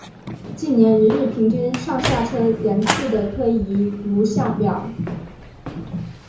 近年一日平均上下车人次的推移如下表。